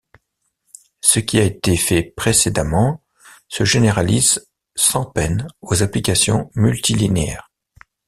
Ce qui a été fait précédemment se généralise sans peine aux applications multilinéaires.